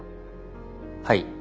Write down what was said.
はい。